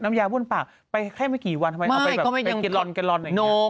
น้ำยาว่นปากไปแค่ไม่กี่วันทำไมเขาไปแบบไม่เขาไม่ยังแกะลอนแกะลอนอย่างเงี้ย